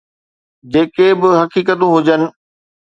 جيڪي به حقيقتون هجن.